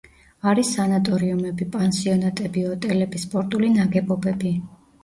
არის სანატორიუმები, პანსიონატები, ოტელები, სპორტული ნაგებობები.